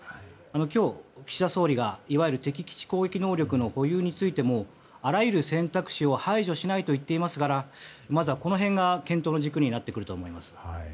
今日、岸田総理がいわゆる敵基地攻撃能力の保有についてもあらゆる選択肢を排除しないと言っていますからまずは、この辺が検討の軸になると思います。